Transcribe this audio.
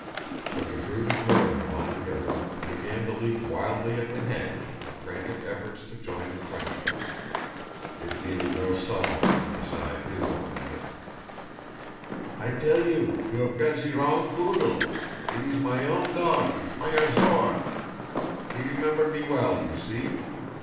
But the brute ignored him altogether, and began to leap wildly at the hedge in frantic efforts to join the Frenchman. It needed no Solomon to decide his ownership! "I tell you, you 'ave got ze wrong poodle—it is my own dog, my Azor! He remember me well, you see?